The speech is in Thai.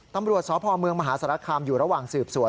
ตำรวจสพเมืองมหาสารคามอยู่ระหว่างสืบสวน